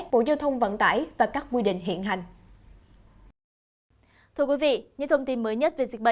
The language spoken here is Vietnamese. bộ giao thông vận tải và các quy định hiện hành